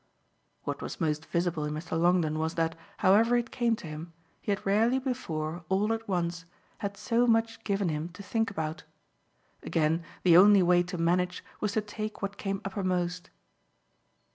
What was most visible in Mr. Longdon was that, however it came to him, he had rarely before, all at once, had so much given him to think about. Again the only way to manage was to take what came uppermost.